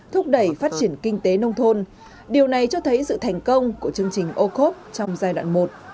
thúc đẩy phát triển kinh tế nông thôn điều này cho thấy sự thành công của chương trình ô khốp trong giai đoạn một